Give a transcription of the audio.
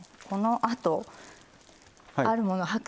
このあとあるもの